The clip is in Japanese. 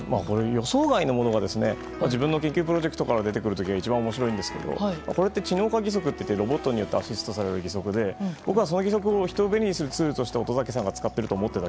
予想外のものが自分の研究プロジェクトから出てくる時が一番面白いんですけどこれって知能化義足といってＡＩでアシストされる義足で僕は、その義足を人を便利するツールとして乙武さんがやっていると思い